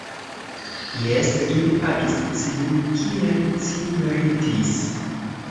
Jes, ili pagis cin, kiel ci meritis!